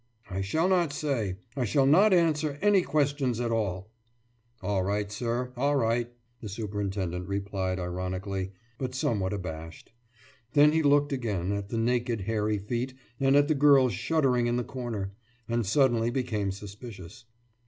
« »I shall not say. I shall not answer any questions at all.« »All right, sir, all right,« the superintendent replied ironically, but somewhat abashed. Then he looked again at the naked hairy feet and at the girl shuddering in the corner, and suddenly became suspicious.